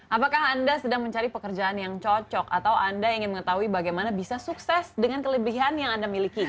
apakah anda sedang mencari pekerjaan yang cocok atau anda ingin mengetahui bagaimana bisa sukses dengan kelebihan yang anda miliki